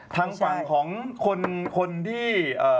ทางฝั่งของคนที่